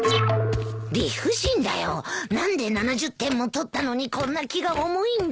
理不尽だよ何で７０点も取ったのにこんな気が重いんだ。